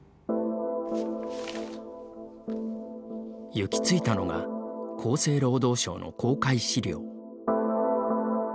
行き着いたのが厚生労働省の公開資料。